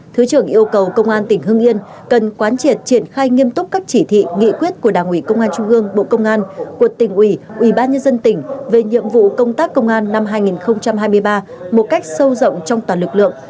thứ trưởng yêu cầu công an tỉnh hưng yên cần quán triệt triển khai nghiêm túc các chỉ thị nghị quyết của đảng ủy công an trung gương bộ công an của tỉnh ủy ủy ban nhân dân tỉnh về nhiệm vụ công tác công an năm hai nghìn hai mươi ba một cách sâu rộng trong toàn lực lượng